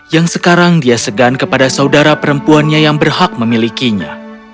yang sekarang dia segan kepada saudara perempuannya yang berhak memilikinya